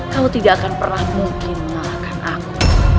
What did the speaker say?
kau tidak akan pernah mungkin mengalahkan aku